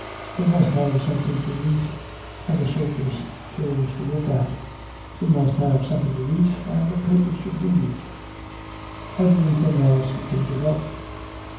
They must have something to eat, and the circus shows to look at. We must have something to eat, and the papers to read. Everything else we can give up.